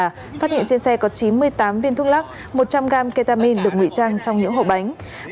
phát hiện trên xe có chín mươi tám viên thuốc lắc một trăm linh gram ketamin được ngụy trang trong những hổ bánh